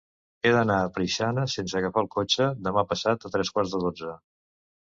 He d'anar a Preixana sense agafar el cotxe demà passat a tres quarts de dotze.